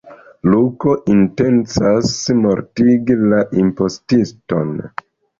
Luko intencas mortigi la impostiston.